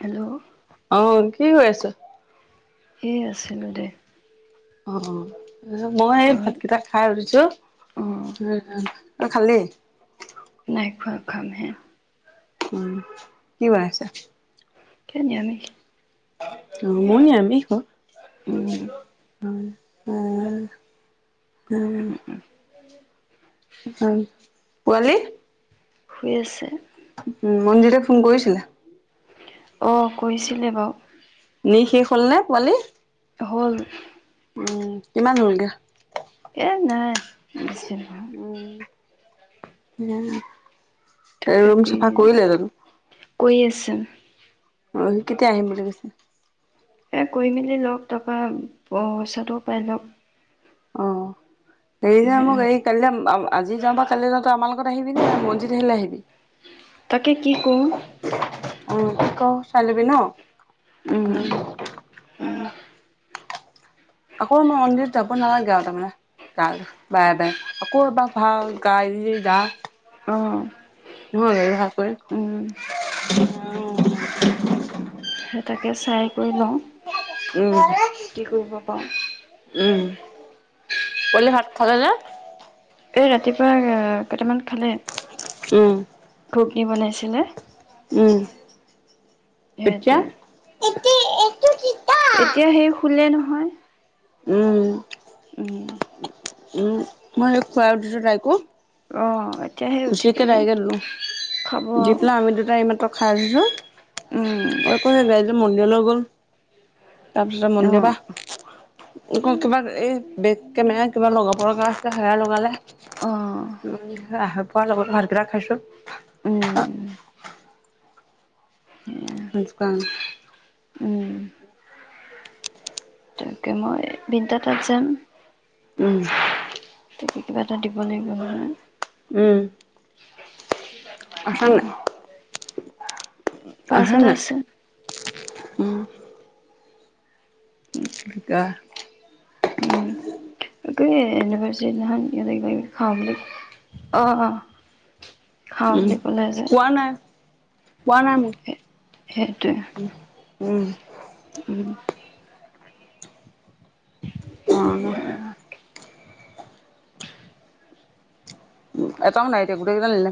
Hello অহ, কি কয়ি আছ? এ আছিলো দে। অ' মই এই তই ভাতকেইটা খাই উঠিছো। অঁ তাই খালী? নাই খোৱা খামহে। উম কি বনাইছা। এই নিৰামিষ। অ মইও নিৰামিষ হ উম [inaudible] অ, অ উম। শুই আছে। উম মঞ্জিতে ফোন কৰিছিলে? অ কৰিছিলে বাও। নি শেষ হ'ল নে পোৱালি? হ'ল। উম কিমান হ'লগে? এ নাই। [unintelligible] না এ ৰুম চাফা কৰিলে জানো? [unintelligible] অ সি কেতিয়া আহিম বুলি কৈছে? এই কৰি মেলি লওক তাৰপৰা পইচাটো পাই লওক। অঁহ। হেৰি যে মোক এই কলিলে আঁব্ আজি যাওঁ বা কালি যাওঁতে আমাৰ লগত আহিবি নে মনজিৎ আহিলে আহিবি? তাকে কি কৰোঁ। অ কি ক চাই লবি ন? উম। উম। আকৌ মই মন্দিৰত যাব নালাগে আও তাৰমানে, গ বাৰে বাৰে আকৌ এবাৰ ভাল গাড়ী যা। অঁ [unintelligible] হয়। [unintelligible] উম তাকে চাই কৰি লওঁ উম কি কৰিব পাৰোঁ উম। পলে ভাত খালে নে? এই ৰাতিপুৱা আ কেইটামান খালে উম খুব কি বনাইছিনে? উম। সেইটোৱে এতিয়া সেই শুলে নহয় [unintelligible] উম উম উম মই খোৱা উঠিছোঁ তাইকো অঁ গুচিকেটাইকে ধলো খাব দি পেলাই আমি দুটাই এইমাত্ৰ উম [unintelligible] [unintelligible] জলগল তাৰপিছত অ মন্দিৰ বা অ কিবা এই বেগ কেমেৰা কিবা লগাব পগ আছে সেৰা লগালে অ উ আহ খোৱাৰ লগত ভাত কেইটা খাইছোঁ। উম ঢ উ উম। তাকে মই বিনিতা তাত যাম। উম। [inaudible] দিব লাগিব নহয়। আছে নাই। পাঁচ আছা এটা নাই? আছে। উম, [inaudible] [inaudible] এ অন্নিভাৰচাৰি দিনা খন সিহঁতে কিবা কিবি খাওঁ বুলি, অ অ খাওঁ বুলি ক'লে যে, কুৱা নাই মোক। সেইটোৱে উম [inaudible] [inaudible] অ' এটাও নাই দিয়ক গোটেই কেইটা নিলে।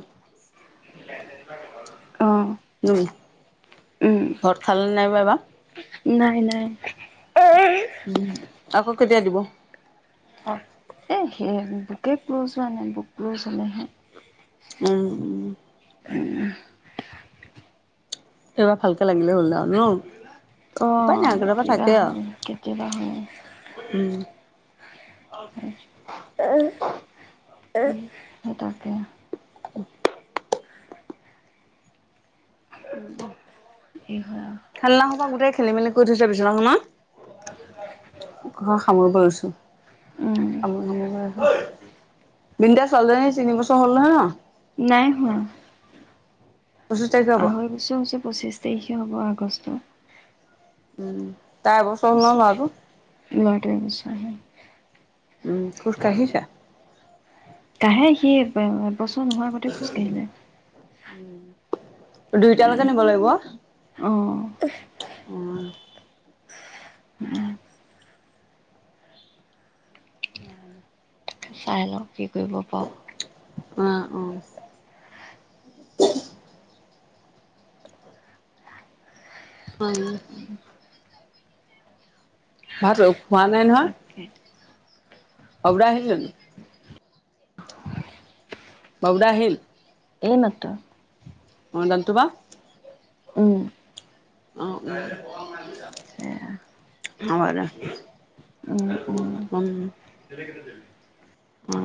[inaudible] উম উম ঘৰত খালেনে নাইবা এইবাৰ। নাই নাই, আকৌ কেতিয়া দিব। [unintelligible] উম উম এইবাৰ ভালকে লাগিলে হ'ল আৰু ন। অ উপায় নাই কেতিয়াবা কিবা থাকে আৰু। হয়, কেতিয়া বা হয়। উম, উ [unintelligible] [unintelligible] [inaudible] এক, চন এই হয় আৰু খেল ন হ'বা গোটেক খেলি মেলি কৈ থৈছে বিছনা খনত। ঘৰ সামৰিব লৈছো। উম, [unintelligible] বিনিতা ছোৱালী জনী তিনি বছৰ হ'ল নহয় ন। নাই হোৱা পঁচিছ তাৰিখে হ'ব। আঢ়ৈ বছৰ হৈছে পঁচিছ তাৰিখে হ'ব আগষ্ট। উম, তাৰ এবছৰ হ'ল ন ল'ৰাটো [unintelligible] ল'ৰাটো এবছৰ হ'ল উম খুজ কাঢিছে। কাঁঢে সি নোহোৱাৰ আগতে খোজকাঢ়িলে দুইটালৈকে নিব লাগিব অ, অ চাই লওঁ কি কৰিব পাওঁ অ অ হয় ভাত খোৱা নাই নহয়, তাকে বাবুদা আহিল জানো বাবুদা আহিল এইমাত্ৰ অ জানটো বা উম। অ উম। [unintelligible] হব দে। উম উম। অ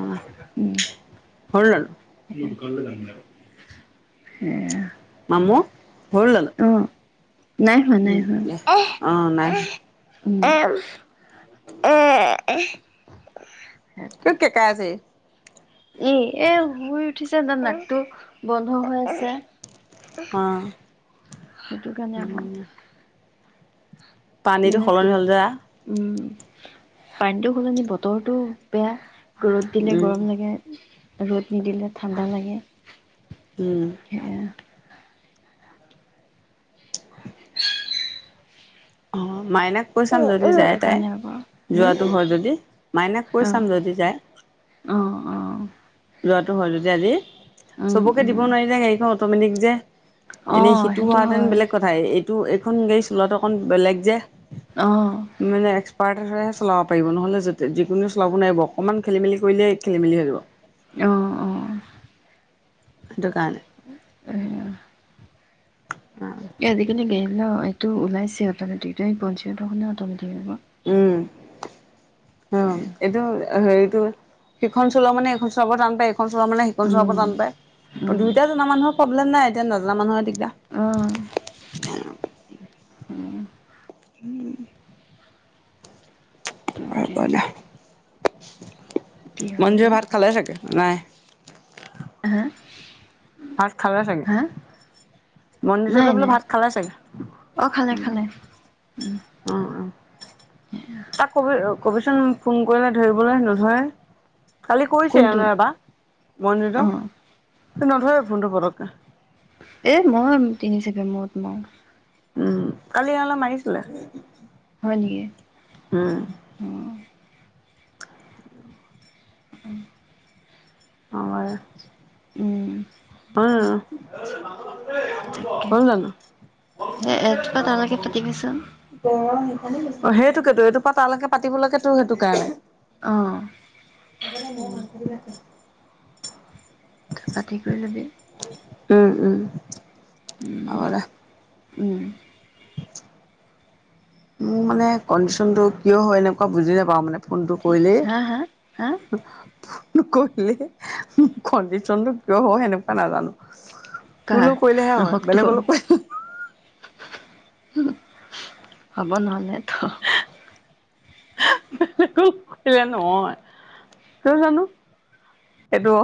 হ'ল জানো উম। কাইলৈ যাম দিয়া। মামু হ'ল জানো? অ', নাই হোৱা নাই উম হোৱা। অ নাই উম। [unintelligible] [unintelligible] কিয় কেকাই আছে ই? ই এই শুই উঠিছে যে নাকটো বন্ধ হৈ আছে। অ সেইটো কাৰণে আকৌ উম। পানীতো সলনি হ'ল যে। পানীতটো সলনি বতৰটো বেয়া, ৰ'দ দিলে উম গৰম লাগে ৰ'দ নিদিলে ঠাণ্ডা লাগে, উম সেয়া, অ' মাইনাক কৈ চাম যদি যায় সেইটো তাই কাৰণে আকৌ হুম যোৱাটো হয় যদি মাইনাক কৈ অ চাম যদি যায় অ' অ' যোৱাটো হয় যদি আজি, উম চবকে উম দিব নোৱাৰিদে গাড়ীখনত, [unintelligible] অ এনেই সিটো সেইটো হোৱাহেতেন হয় বেলেগ কথাই তো এইখন লিষ্ট লোৱাটো অকণ বেলেগ যে। অ মানে এক্সপাৰ্ট ৰেষ্ট। চলাব পাৰিব নহ'লে যতে যিকোনোয়ে চলাব নোৱাৰিব অকমান খেলিমেলি কৰিলে খেলিমেলি হৈ যাব। অ' অ' অ'। দোকান। [unintelligible] এ দিকেনে গেল। ল এইটো ওলাইছে [unintelligible] উম অ' এইটো হ'লে। হেৰিটো সিখন চলোৱা মানে এইখন চলাব টান পায়। ইখন চোৱা মানে সিখন চোৱাটো উম, টান পায় উম, দুয়োটা জনা মানুহক। প্ৰব্লেম নাই এতিয়া নজনা মানুহে দিক অ', [unintelligible] উম। উম। তাকে। কি [unintelligible] মঞ্জু হয়গে ভাত খালে চাগে? নাই। আহা। ভাত খালে চাগে। নাই, মন্দিৰতে বোলে নাই ভাত খালে চাগে। অ', খালে, উম খালে অ অ। তাক কবি [unintelligible] কবিচোন ফোন কৰিলে ধৰিবলৈ নোধৰে। খালি কৰিছে কোনটো এনে এবাৰ মন্দিৰটো। অ', সি নধৰে। ফোনটো ঘৰত নাই। এ মোৰ তিনি চেকেণ্ড মনত নাই। উম কালি ইয়ালে মাৰিছিলে। হয় নেকি। উম অ। উম। [unintelligible] উম। [unintelligible] [unintelligible] অ', তাকে সেই এটোপা তালৈকে পাতিবিচোন সেইটোকেতো এইটো পাতালৈকে পাতিবলৈকেটো সেইটোকাৰণে অ', [unintelligible] [unintelligible] লৈ লবি উম, উম। উম, হ'ব দে। উম। মোৰ মানে কণ্ডিচনটো কিয় হয়, এনেকুৱা বুজি নেপাওঁ মানে। ফোনটো ঠিক কৰিলেই হা, হা, হা ফোন কৰিলে কণ্ডিচনটো কিয় হয়, সেনেকুৱা নাজানো। তোৰ কাৰ লগত কৰিলেহে হয়, অ', বেলেগৰ তোৰ লগত কৰিলে হ'ব নহ'লে থ বেলেগলে কৰিলে নহয়, কিয় জানো হেটো